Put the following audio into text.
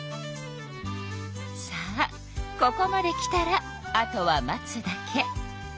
さあここまできたらあとは待つだけ。